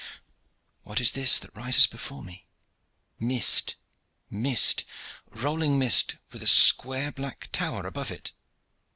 What is this that rises before me? Mist, mist, rolling mist with a square black tower above it.